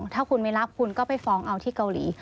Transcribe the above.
ถ้าคุณไม่รับคุณก็ไปฟ้องเอาที่เกาหลี